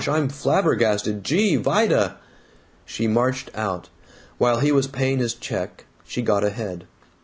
I'm flabbergasted! Gee! Vida!" She marched out. While he was paying his check she got ahead.